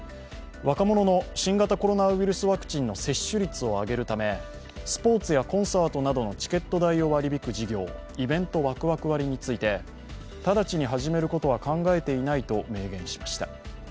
若者の新型コロナウイルスワクチンの接種率を上げるためスポーツやコンサートなどのチケット代を割り引く事業イベントワクワク割について直ちに始めることは考えていないと明言しました。